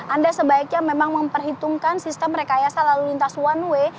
anda sebaiknya memang memperhitungkan sistem rekayasa lalu lintas one way